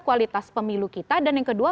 kualitas pemilu kita dan yang kedua